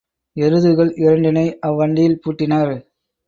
எருதுகள் இரண்டினை அவ் வண்டியில் பூட்டினர்.